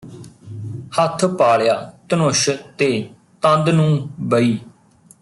ਹੱਥ ਪਾਲਿਆ ਧਨੁਸ਼ ਤੇ ਤੰਦ ਨੂੰ ਬਈ